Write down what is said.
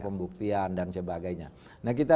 pembuktian dan sebagainya nah kita